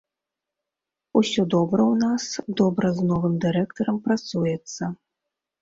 Усё добра ў нас, добра з новым дырэктарам працуецца.